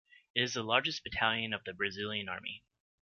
It is the largest Battalion of the Brazilian Army.